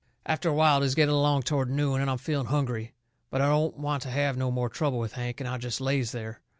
After a while it is getting along toward noon, and I'm feeling hungry. But I don't want to have no more trouble with Hank, and I jest lays there.